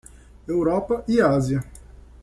Europa e Ásia.